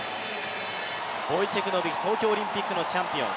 ボイチェク・ノビキ、東京オリンピックのチャンピオン。